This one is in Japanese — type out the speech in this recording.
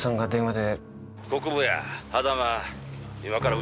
で？